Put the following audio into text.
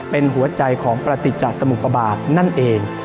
เป็นหัวใจของประติจัดสมุกบาทนั่นเอง